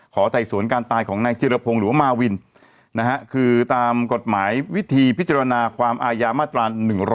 ไต่สวนการตายของนายจิรพงศ์หรือว่ามาวินคือตามกฎหมายวิธีพิจารณาความอายามาตรา๑๑๒